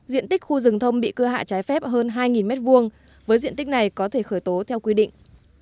diện tích khu rừng thông bị cưa hạ trái phép hơn hai m hai với diện tích này có thể khởi tố theo quy định